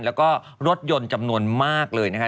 แล้วก็รถยนต์จำนวนมากเลยนะคะ